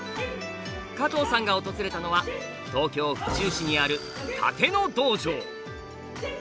加藤さんが訪れたのは東京府中市にある殺陣の道場。